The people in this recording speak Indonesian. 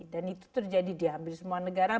dan itu terjadi diambil semua negara